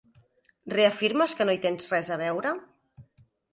Reafirmes que no hi tens res a veure?